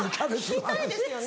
聞きたいですよね。